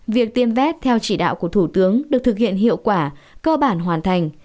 việc tiêm vét theo chỉ đạo của thủ tướng được thực hiện hiệu quả cơ bản hoàn thành